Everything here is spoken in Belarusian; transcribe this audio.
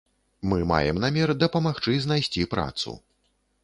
Мы маем намер дапамагчы знайсці працу.